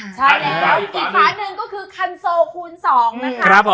มันถูกใช่แล้วกี่ฟ้าหนึ่งก็คือคันโซ่คูล๒นะครับ